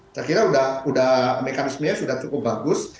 saya kira sudah mekanismenya sudah cukup bagus